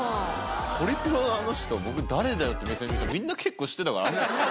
ホリプロのあの人、誰だよって目線で見てたら、みんな結構、知ってたから。